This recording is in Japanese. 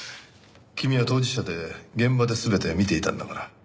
君は当事者で現場で全て見ていたんだから。